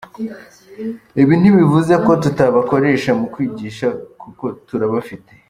Ibi ntibivuze ko tutabakoresha mu kwigisha kuko turabafite.